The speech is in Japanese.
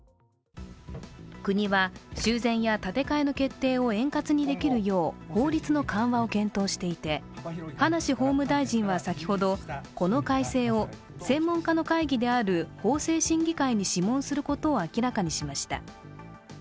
国は修繕や建て替えの決定を円滑にできるよう法律の緩和を検討していて、葉梨法務大臣は先ほどこの改正を専門家の会議である法制審議会に諮問することを明らかにしました。